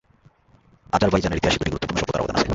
আজারবাইজানের ইতিহাসে দুইটি গুরুত্বপূর্ণ সভ্যতার অবদান আছে।